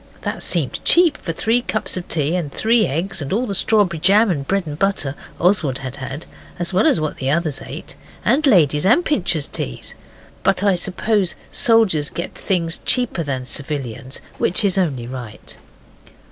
This seemed cheap for the three cups of tea and the three eggs and all the strawberry jam and bread and butter Oswald had had, as well as what the others ate, and Lady's and Pincher's teas, but I suppose soldiers get things cheaper than civilians, which is only right.